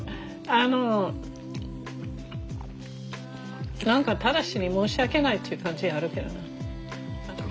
あの何か正に申し訳ないっていう感じあるけどな。